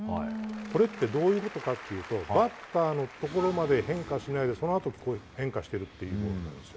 これってどういうことかというとバッターのところまで変化しないでそのあとに変化しているというボールです。